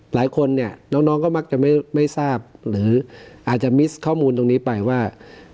หลายคนเนี่ยน้องก็มักจะไม่ทราบหรืออาจจะมิสต์ข้อมูลตรงนี้ไปว่า